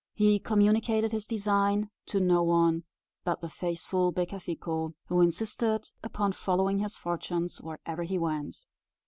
He communicated this design to no one but the faithful Becafico, who insisted upon following his fortunes wherever he went.